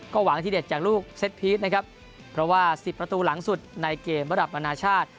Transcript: หวังที่เด็ดจากลูกเซ็ตพีชนะครับเพราะว่า๑๐ประตูหลังสุดในเกมระดับนานาชาติ